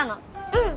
うん。